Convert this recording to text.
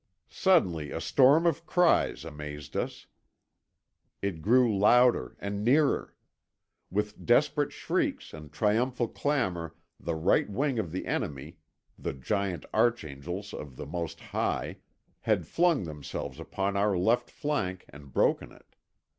Suddenly a storm of cries amazed us. It grew louder and nearer. With desperate shrieks and triumphal clamour the right wing of the enemy, the giant archangels of the Most High, had flung themselves upon our left flank and broken it.